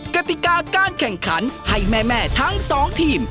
กติกาการแข่งขันให้แม่ทั้งสองทีม